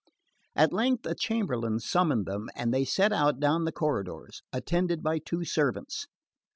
At length a chamberlain summoned them and they set out down the corridors, attended by two servants.